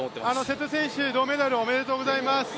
瀬戸選手、銅メダルおめでとうございます。